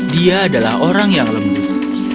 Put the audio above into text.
dia adalah orang yang lembut